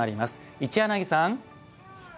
一柳さん！